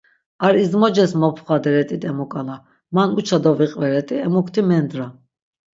Ar izmoces mopxvaderet̆it emu k̆ala, man uça doviqveret̆i emukti mendra.